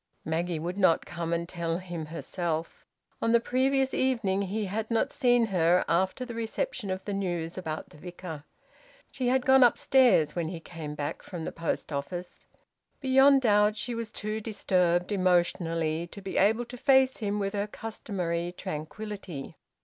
Maggie would not come and tell him herself. On the previous evening he had not seen her after the reception of the news about the Vicar. She had gone upstairs when he came back from the post office. Beyond doubt, she was too disturbed, emotionally, to be able to face him with her customary tranquillity.